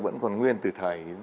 vẫn còn nguyên từ thời